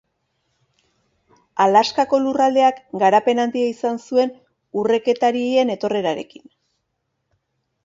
Alaskako lurraldeak garapen handia izan zuen urreketarien etorrerarekin.